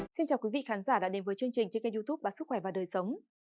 xin chào quý vị khán giả đã đến với chương trình trên kênh youtub và sức khỏe và đời sống